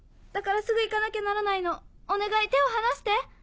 だからすぐ行かなきゃならないのお願い手を離して。